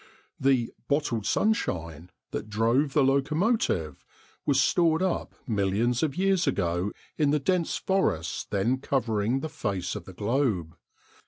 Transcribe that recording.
The "bottled sunshine" that drove the locomotive was stored up millions of years ago in the dense forests then covering the face of the globe.